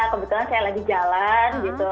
kebetulan saya lagi jalan gitu